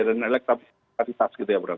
dan elektrikitas gitu ya